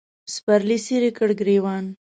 سپرلي څیرې کړ ګرېوان